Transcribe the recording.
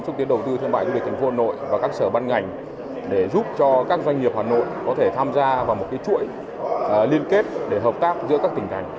hà nội đã giao cho trung tâm cho các doanh nghiệp hà nội có thể tham gia vào một chuỗi liên kết để hợp tác giữa các tỉnh thành